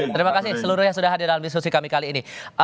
terima kasih seluruh yang sudah hadir dalam diskusi kami kali ini